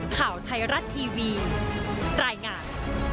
ข่าวไทยรัฐทีวีรายงาน